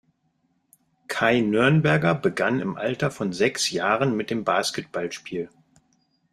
Kai Nürnberger begann im Alter von sechs Jahren mit dem Basketballspiel.